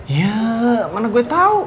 ya mana gue tau